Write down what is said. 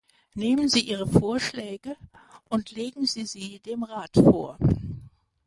Nehmen Sie Ihre Vorschläge und legen Sie sie dem Rat vor.